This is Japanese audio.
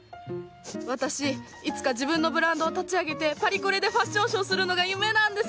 私いつか自分のブランドを立ち上げてパリコレでファッションショーするのが夢なんです！